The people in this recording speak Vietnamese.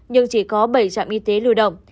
nhưng chỉ có bảy trạm y tế lưu động